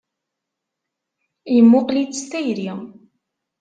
Yemmuqqel-itt s tayri.